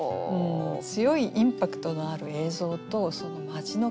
強いインパクトのある映像と町の気分